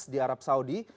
di arab saudi